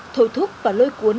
thổi thuốc và lôi cuốn